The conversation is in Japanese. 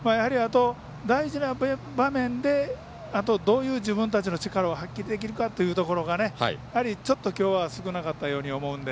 大事な場面であとどういう自分たちの力を発揮できるかがやはりちょっときょうは少なかったように思うので。